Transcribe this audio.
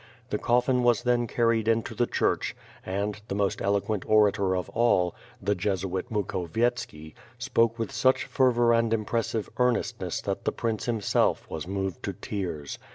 The coffin was then carried into the church and, the most eloquent orator of all, the Jesuit Mukhovietski, spoke with such fervor and impressive earnestness that the prince him self was moved to tears.